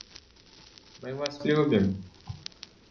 Мы Вас любим.